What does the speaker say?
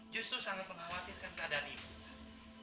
justru sangat mengkhawatirkan keadaan ibu